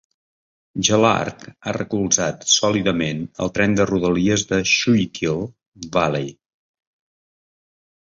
Gerlach ha recolzat sòlidament el tren de rodalies de Schuylkill Valley.